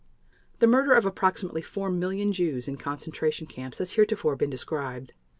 The murder of approximately 4 million Jews in concentration camps has heretofore been described.